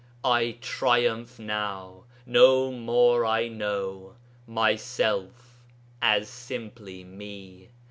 I triumph now; no more I know Myself as simply me.